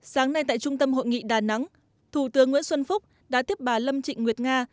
sáng nay tại trung tâm hội nghị đà nẵng thủ tướng nguyễn xuân phúc đã tiếp bà lâm trịnh nguyệt nga